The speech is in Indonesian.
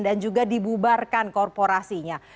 dan juga dibubarkan korporasinya